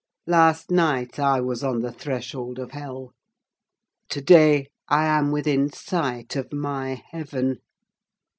Last night I was on the threshold of hell. To day, I am within sight of my heaven.